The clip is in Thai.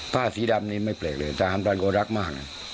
ผ้าสีดำนี้ไม่แปลกเลยทหารบันก็รักมากนะ